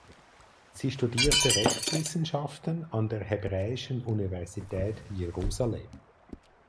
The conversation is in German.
Sie studierte Rechtswissenschaften an der Hebräischen Universität Jerusalem.